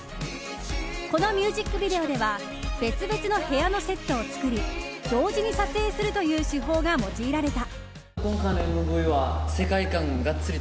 このミュージックビデオでは別々の部屋のセットを作り同時に撮影するという手法が用いられた。